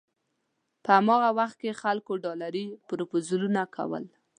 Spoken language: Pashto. په هماغه وخت کې خلکو ډالري پروپوزلونه کول.